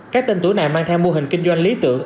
các tên tủ nạn mang theo mô hình kinh doanh lý tượng